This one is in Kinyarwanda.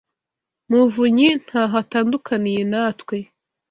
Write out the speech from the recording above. muvunyi ntaho atandukaniye natwe.